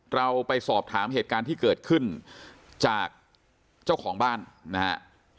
เราไปสอบถามเหตุการณ์ที่เกิดขึ้นจากเจ้าของบ้านนะฮะ